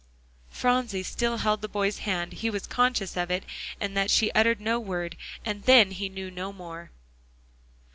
Phronsie still held the boy's hand. He was conscious of it, and that she uttered no word, and then he knew no more.